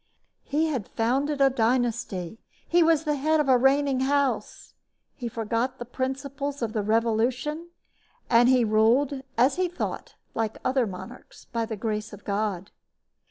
He had founded a dynasty. He was the head of a reigning house. He forgot the principles of the Revolution, and he ruled, as he thought, like other monarchs, by the grace of God.